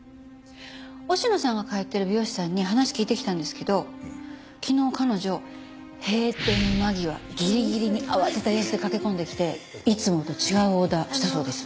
忍野さんが通ってる美容師さんに話聞いてきたんですけど昨日彼女閉店間際ギリギリに慌てた様子で駆け込んできていつもと違うオーダーしたそうです。